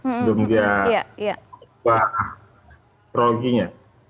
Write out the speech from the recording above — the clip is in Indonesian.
sebelum dia mengubah prologinya